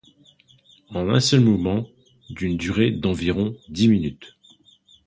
En un seul mouvement d'une durée d'environ dix minutes.